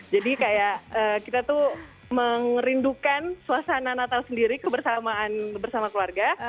jadi kayak kita tuh merindukan suasana natal sendiri kebersamaan bersama keluarga